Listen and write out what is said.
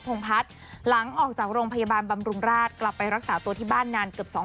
พงพัฒน์หลังออกจากโรงพยาบาลบำรุงราชกลับไปรักษาตัวที่บ้านนานเกือบสอง